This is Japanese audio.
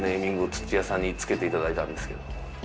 土屋さんにつけていただいたんですけど。